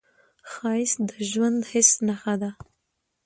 ښایست د ژوندي حس نښه ده